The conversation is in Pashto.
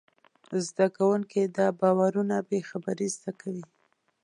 زدهکوونکي دا باورونه بېخبري زده کوي.